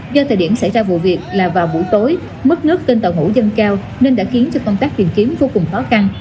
do thời điểm xảy ra vụ việc là vào buổi tối mức nước trên tàu hủ dâng cao nên đã khiến cho công tác tìm kiếm vô cùng khó khăn